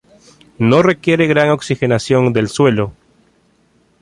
No requiere gran oxigenación del suelo.